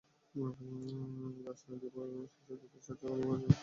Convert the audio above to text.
লাশ নিতে দুপুরে শিশু দুটির চাচা আবুল হোসেন ঢাকা মেডিকেল কলেজ হাসপাতালে আসেন।